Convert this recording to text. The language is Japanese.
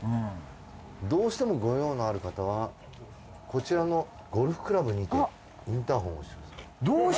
どうしても御用のある方はこちらのゴルフクラブにてインターホンを押してください。